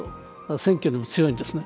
選挙にも強いんですね。